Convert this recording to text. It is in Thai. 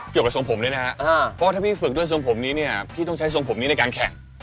เกี่ยวกับทรงผมเลยนะฮะถ้าพี่ฝึกด้วยทรงผมนี้พี่ต้องใช้ทรงผมนี้ในการแข่ง